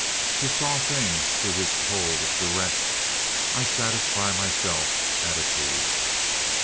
She saw things through his cold, direct "I satisfy myself" attitude.